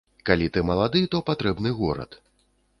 Калі ты малады, то патрэбны горад.